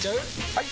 ・はい！